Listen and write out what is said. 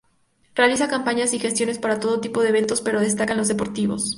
Realiza campañas y gestiones para todo tipo de eventos, pero destaca en los deportivos.